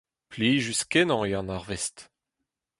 Plijus-kenañ eo an arvest.